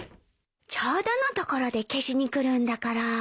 ちょうどのところで消しに来るんだから。